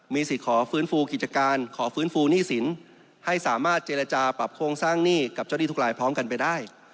มีสิทธิ์ขอฟื้นฟูกิจการขอฟื้นฟูหนี้สินให้สามารถเจรจาปรับโครงสร้างหนี้กับเจ้าหนี้ทุกรายพร้อมกันไปได้